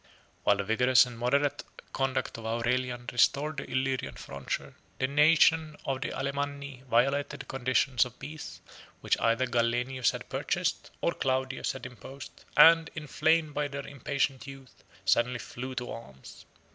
] While the vigorous and moderate conduct of Aurelian restored the Illyrian frontier, the nation of the Alemanni 25 violated the conditions of peace, which either Gallienus had purchased, or Claudius had imposed, and, inflamed by their impatient youth, suddenly flew to arms.